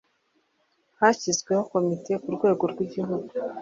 Hashyizweho Komite ku rwego rw igihugu